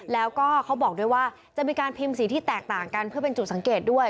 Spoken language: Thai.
แล้วก็เขาบอกด้วยว่าจะมีการพิมพ์สีที่แตกต่างกันเพื่อเป็นจุดสังเกตด้วย